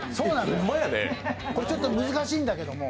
ちょっと難しいんだけれども。